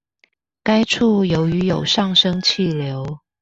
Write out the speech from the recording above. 該處由於有上升氣流